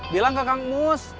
bilang ke kang mus